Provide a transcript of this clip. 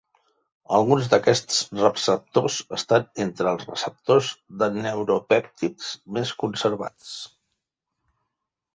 Alguns d'aquests receptors estan entre els receptors de neuropèptids més conservats.